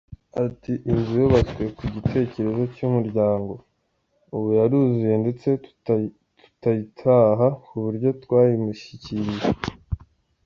Ati “Inzu yubatswe ku gitekerezo cy’umuryango, ubu yaruzuye ndetse tutayitaha ku buryo twayimushyikirije.